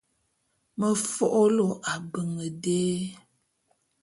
Me fo’o lo ábeñ dé.